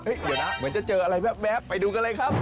เดี๋ยวนะเหมือนจะเจออะไรแว๊บไปดูกันเลยครับ